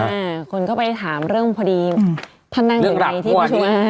อ่าคนเข้าไปถามเรื่องพอดีท่านนั่งอยู่ไหนที่ประชุมอาหาร